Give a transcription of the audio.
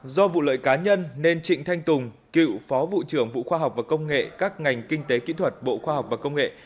do vụ lợi cá nhân nên trịnh thanh tùng cựu phó vụ trưởng vụ khoa học và công nghệ các ngành kinh tế kỹ thuật bộ khoa học và công nghệ